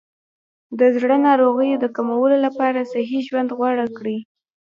د زړه ناروغیو د کمولو لپاره صحي ژوند غوره کړئ.